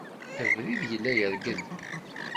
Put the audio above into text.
Abrid yella yergel.